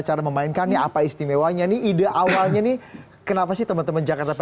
cara memainkannya apa istimewanya nih ide awalnya nih kenapa sih teman teman jakarta